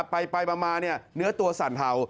ไปมาเนื้อตัวสั่นเห่า